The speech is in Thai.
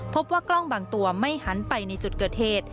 พบว่ากล้องบางตัวไม่หันไปในจุดเกิดเหตุ